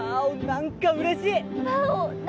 何かうれしい。